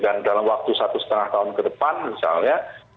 dan dalam waktu satu setengah tahun ke depan misalnya